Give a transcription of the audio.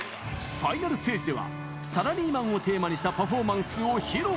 ファイナルステージでは、サラリーマンをテーマにしたパフォーマンスを披露。